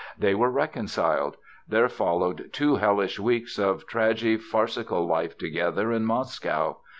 They were reconciled. There followed two hellish weeks of tragi farcical life together in Moscow.